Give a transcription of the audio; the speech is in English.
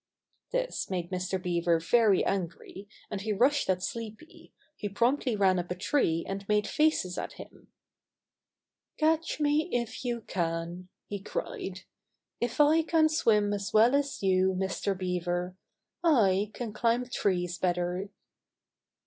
This made Mr. Beaver very angry, and he rushed at Sleepy, who promptly ran up a tree and made faces at him. "Catch me, if you can!" he cried. "If I can't swim as well as you, Mr. Beaver, I can climb trees better."